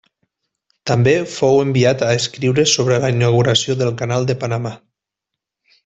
També fou enviat a escriure sobre la inauguració del Canal de Panamà.